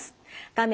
画面